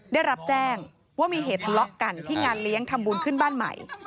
ได้รับแจ้งว่ามีเหตุทะเลาะกันที่งานเลี้ยงทำบุญขึ้นบ้านใหม่